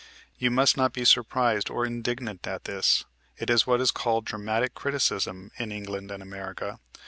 You must not be surprised or indignant at this: it is what is called "dramatic criticism" in England and America.